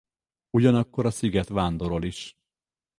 Ugyanakkor a sziget vándorol is.